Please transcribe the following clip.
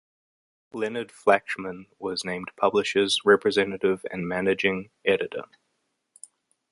Leonard Flachman was named publishers' representative and managing editor.